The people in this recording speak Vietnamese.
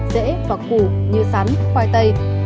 rễ và củ như sắn khoai tây